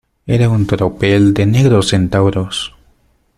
era un tropel de negros centauros.